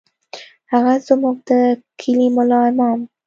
هغه زموږ د کلي ملا امام و.